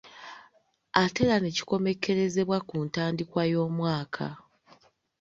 Ate era ne kikomekkerezebwa ku ntandikwa y’omwaka.